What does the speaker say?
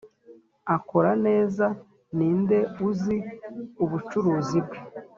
akora neza ninde uzi ubucuruzi bwe.